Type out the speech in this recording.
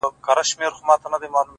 دوى ما اوتا نه غواړي ـ